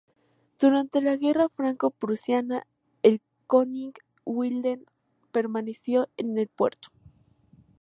Durante la Guerra Franco-prusiana, el "König Wilhelm" permaneció en puerto.